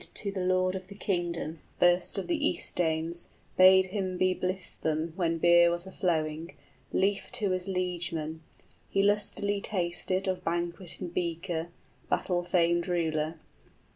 } To the lord of the kingdom, first of the East Danes, 60 Bade him be blithesome when beer was a flowing, Lief to his liegemen; he lustily tasted Of banquet and beaker, battle famed ruler.